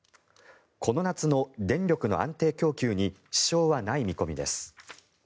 この夏の電力の安定供給に支障はない見込みです。